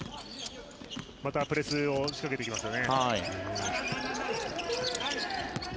またプレスを仕掛けてきますよね。